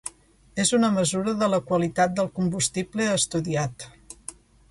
És una mesura de la qualitat del combustible estudiat.